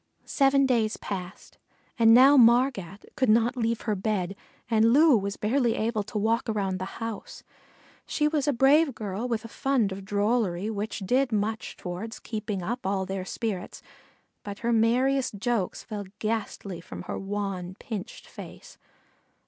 Seven days passed, and now Margat could not leave her bed and Loo was barely able to walk around the house. She was a brave girl with a fund of drollery which did much toward keeping up all their spirits, but her merriest jokes fell ghastly from her wan, pinched face.